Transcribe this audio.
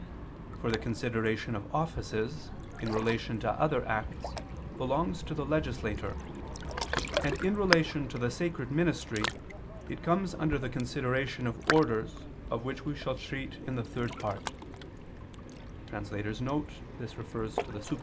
For the consideration of offices in relation to other acts belongs to the legislator; and in relation to the sacred ministry it comes under the consideration of orders of which we shall treat in the Third Part [*Suppl.